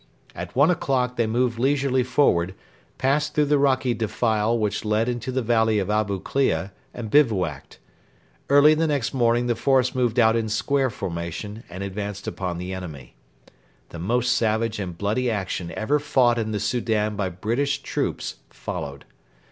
At one o'clock they moved leisurely forward, passed through the rocky defile which led into the valley of Abu Klea and bivouacked. Early the next morning the force moved out in square formation and advanced upon the enemy. The most savage and bloody action ever fought in the Soudan by British troops followed.